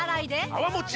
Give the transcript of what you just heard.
泡もち